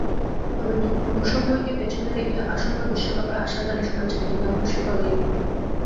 তবে দুঃসময়কে পেছনে রেখে আসন্ন বিশ্বকাপে আশার গানই শোনাচ্ছেন অধিনায়ক মুশফিকুর রহিম।